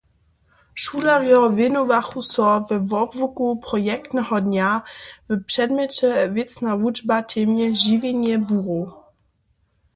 Šulerjo wěnowachu so we wobłuku projektneho dnja w předmjeće wěcna wučba temje "Žiwjenje burow".